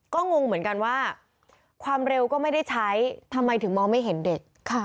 ก็งงเหมือนกันว่าความเร็วก็ไม่ได้ใช้ทำไมถึงมองไม่เห็นเด็ก